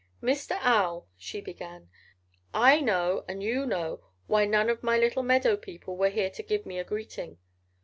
"'Mr. Owl,' she began, 'I know and you know why none of my little meadow people were here to give me greeting.